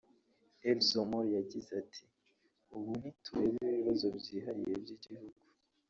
El Zomor yagize ati “Ubu ntitureba ibibazo byihariye by’ibihugu